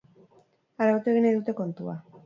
Arautu egin nahi dute kontua.